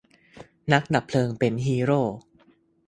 นักดับเพลิงเป็นฮีโร่